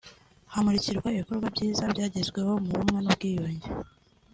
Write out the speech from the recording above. hamurikwa ibikorwa byiza byagezweho mu bumwe n’ubwiyunge